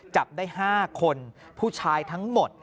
จับได้๕คนผู้ชายทั้งหมด